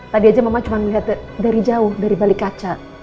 tadi aja mama cuma melihat dari jauh dari balik kaca